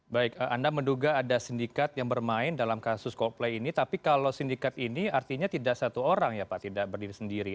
baik anda menduga ada sindikat yang bermain dalam kasus coldplay ini tapi kalau sindikat ini artinya tidak satu orang ya pak tidak berdiri sendiri